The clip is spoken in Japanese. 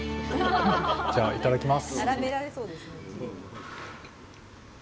じゃあいただきます。